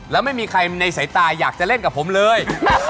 แล้วไม่มีใครในสายตาอยากจะเล่นกับผมเลย